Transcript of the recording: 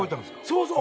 そうそう。